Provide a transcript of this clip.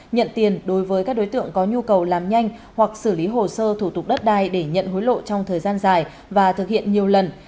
nhận tiền đối với các đối tượng có nhu cầu làm nhanh hoặc xử lý hồ sơ thủ tục đất đai để nhận hối lộ trong thời gian dài và thực hiện nhiều lần